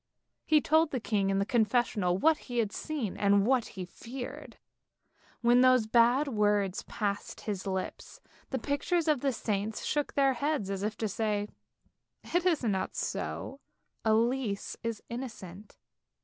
He told the king in the confessional what he had seen and what he feared. When those bad words passed his lips, the pictures of the saints shook their heads as if to say: it is not so, Elise is innocent.